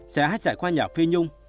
sẽ hát trải qua nhà phi nhung